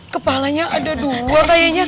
kepalanya ada dua kayaknya